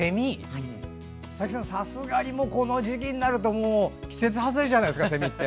佐々木さん、さすがにこの時期になると季節外れじゃないですか？